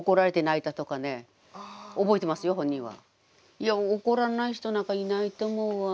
いや怒らない人なんかいないと思うわ。